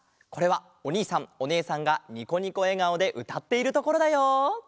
これはおにいさんおねえさんがニコニコえがおでうたっているところだよ。